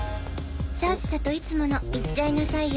さっさといつもの言っちゃいなさいよ。